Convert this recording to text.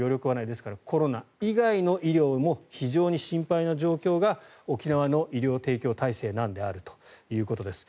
ですから、コロナ以外の医療も非常に心配な状況が沖縄の医療提供体制なんであるということです。